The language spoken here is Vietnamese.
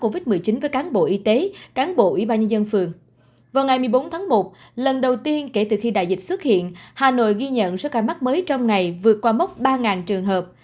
vào ngày một mươi bốn tháng một lần đầu tiên kể từ khi đại dịch xuất hiện hà nội ghi nhận số ca mắc mới trong ngày vượt qua mốc ba trường hợp